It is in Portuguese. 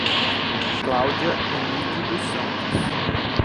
Cláudia Emidio dos Santos